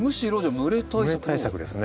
蒸れ対策ですね。